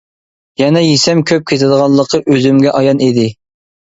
يەنە يېسەم كۆپ كېتىدىغانلىقى ئۆزۈمگە ئايان ئىدى.